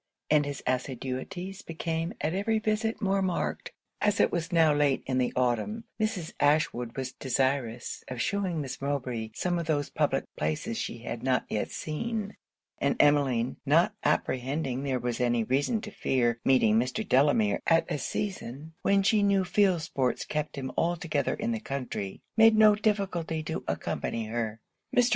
And his assiduities became at every visit more marked. As it was now late in the autumn, Mrs. Ashwood was desirous of shewing Miss Mowbray some of those public places she had not yet seen; and Emmeline (not apprehending there was any reason to fear meeting Mr. Delamere at a season when she knew field sports kept him altogether in the country) made no difficulty to accompany her. Mr.